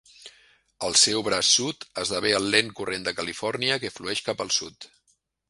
El seu braç sud esdevé el lent corrent de Califòrnia, que flueix cap al sud.